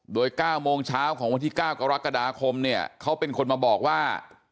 โดย๙โมงเช้าของวันที่๙กรกฎาคมเนี่ยเขาเป็นคนมาบอกว่า